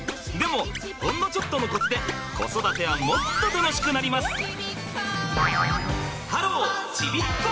でもほんのちょっとのコツで子育てはもっと楽しくなります。